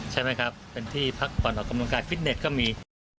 ใช่ไหมครับเป็นที่พักผ่อนออกกำลังกายฟิตเน็ตก็มี